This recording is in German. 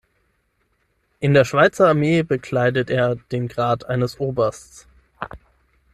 In der Schweizer Armee bekleidet er den Grad eines Obersts.